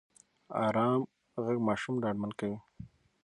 ارام غږ ماشوم ډاډمن کوي.